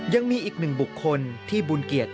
ยังมีอีกหนึ่งบุคคลที่บุญเกียรติ